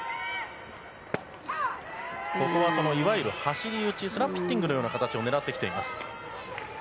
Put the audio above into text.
ここはいわゆる走り打ちスラップヒッティングのような形を狙ってきています。